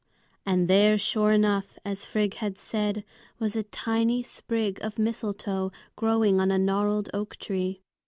And there sure enough, as Frigg had said, was a tiny sprig of mistletoe growing on a gnarled oak tree.